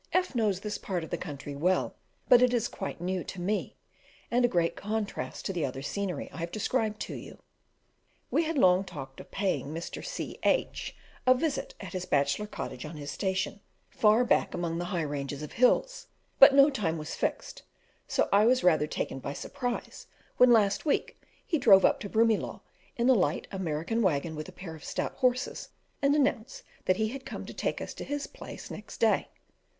F knows this part of the country well, but it is quite new to me, and a great contrast to the other scenery I have described to you We had long talked of paying Mr. C. H a visit at his bachelor cottage on his station far back among the high ranges of hills, but no time was fixed, so I was rather taken by surprise when last week he drove up to Broomielaw in a light American waggon with a pair of stout horses, and announced that he had come to take us to his place next day.